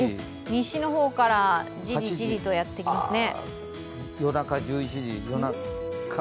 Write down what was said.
西の方からじりじりとやってきますね。